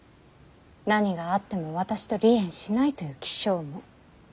何があっても私と離縁しないという起請文。